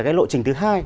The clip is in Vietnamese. cái lộ trình thứ hai